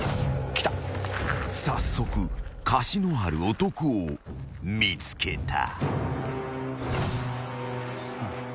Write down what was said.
［早速貸しのある男を見つけた］